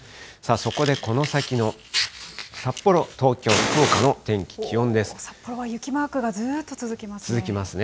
そこでこの先の札幌、東京、福岡札幌は雪マークがずーっと続続きますね。